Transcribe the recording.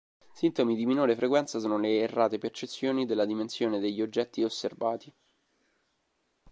Sintomi di minore frequenza sono le errate percezioni della dimensione degli oggetti osservati.